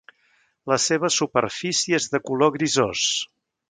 La seva superfície és de color grisós.